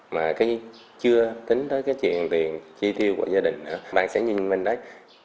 mà cái chưa tính tới cái chuyện tiền chi tiêu của gia đình nữa bạn sẽ nhìn mình đấy